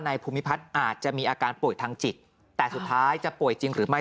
ภูมิพัฒน์อาจจะมีอาการป่วยทางจิตแต่สุดท้ายจะป่วยจริงหรือไม่